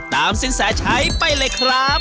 ตามสิ้นสาชัยไปเลยครับ